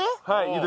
はい。